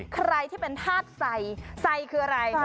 ใครที่เป็นธาตุไซคืออะไร